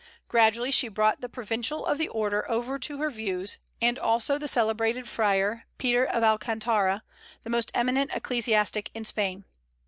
Gradually she brought the provincial of the order over to her views, and also the celebrated friar, Peter of Alcantara, the most eminent ecclesiastic in Spain.